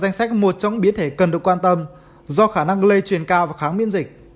danh sách một trong những biến thể cần được quan tâm do khả năng lây truyền cao và kháng miễn dịch